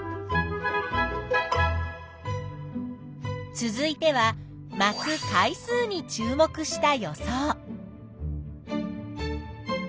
続いては「まく回数」に注目した予想。